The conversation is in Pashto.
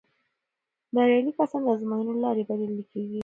بریالي کسان د ازموینو له لارې بریالي کیږي.